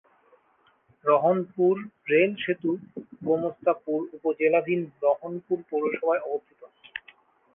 রহনপুর রেলসেতু গোমস্তাপুর উপজেলাধীন রহনপুর পৌরসভায় অবস্থিত।